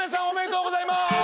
おめでとうございます！